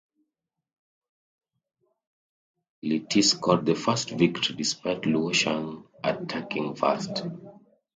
Li Te scored the first victory despite Luo Shang attacking first.